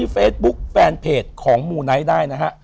แฟนเพจของมูไนท์ได้นะครับ